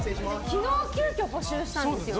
昨日急きょ募集したんですよね。